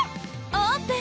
オープン！